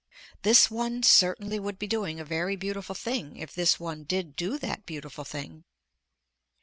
This one certainly would be doing a very beautiful thing if this one did do that beautiful thing.